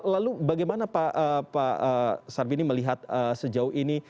lalu bagaimana pak sarbini melihat sejauh ini